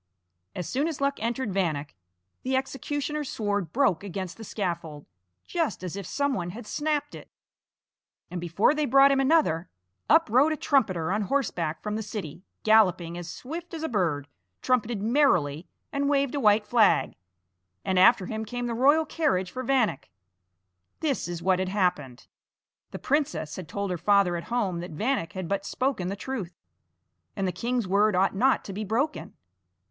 As soon as Luck entered Vanek, the executioners sword broke against the scaffold, just as if some one had snapped it; and before they brought him another, up rode a trumpeter on horseback from the city, galloping as swift as a bird, trumpeted merrily, and waved a white flag, and after him came the royal carriage for Vanek. This is what had happened: The princess had told her father at home that Vanek had but spoken the truth, and the king's word ought not to be broken.